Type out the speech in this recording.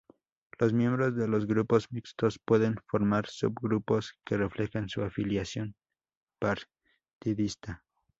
Los miembros de los Grupos mixtos pueden formar subgrupos que reflejen su afiliación partidista.